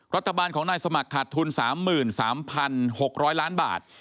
รัฐบาลของนายสมัครขาดทุน๓๓๖๐๐ล้านบาท